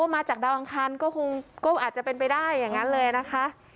มาจากดาวอังคารก็คงก็อาจจะเป็นไปได้อย่างนั้นเลยนะคะ